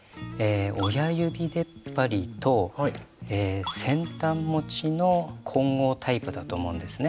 親指でっぱりと先端持ちの混合タイプだと思うんですね。